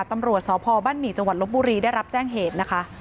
ตำรวจสพบ้านหมี่จังหวัดลบบุรีได้รับแจ้งเหตุนะคะ